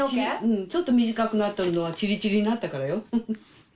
ちょっと短くなっとるのはチリチリになったからよ